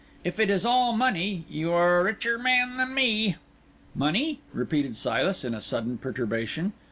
If it is all money, you are a richer man than me." "Money?" repeated Silas, in a sudden perturbation.